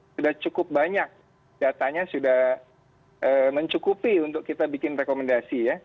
sudah cukup banyak datanya sudah mencukupi untuk kita bikin rekomendasi ya